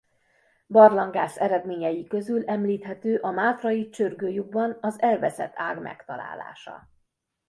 Barlangász eredményei közül említhető a mátrai Csörgő-lyukban az Elveszett-ág megtalálása.